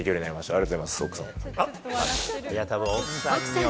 ありがとうございます、奥さん。